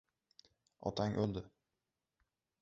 Otang o‘ldi